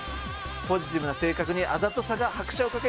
ポジティブな性格にあざとさが拍車をかける。